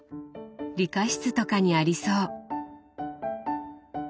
理科室とかにありそう。